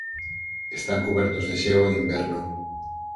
Están cubertos de xeo en inverno.